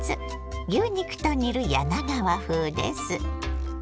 牛肉と煮る柳川風です。